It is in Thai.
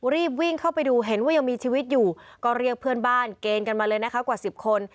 รีบวิ่งเข้าไปดูเห็นว่ายังมีชีวิตอยู่ก็เรียกเพื่อนบ้านเกณฑ์กันมาเลยนะคะกว่า๑๐คน